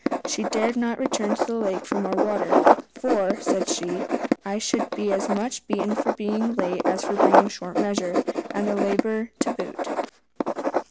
She dared not return to the lake for more water "for," said she, "I should be as much beaten for being late as for bringing short measure, and have the labour to boot."